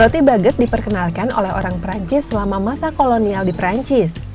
roti baget diperkenalkan oleh orang perancis selama masa kolonial di perancis